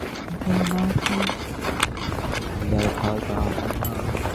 তিনি রোনাল্ড রসের সঙ্গে মহানাদ ও কলকাতায় তার সহগবেষকরূপে চাকুরি করেছেন।